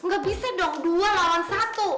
gak bisa dok dua lawan satu